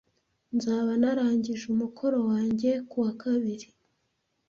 Nzaba narangije umukoro wanjye kuwa kabiri.